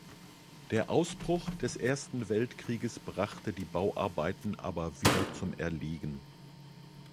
Der Ausbruch des Ersten Weltkrieges brachte die Bauarbeiten aber wieder zum Erliegen.